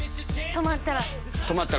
止まったら。